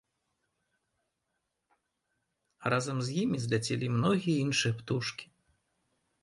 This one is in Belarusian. А разам з імі зляцелі і многія іншыя птушкі.